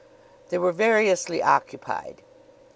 They were variously occupied.